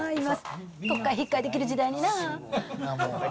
とっかえひっかえできる時代にな。